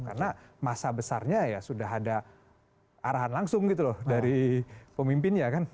karena masa besarnya ya sudah ada arahan langsung gitu loh dari pemimpinnya kan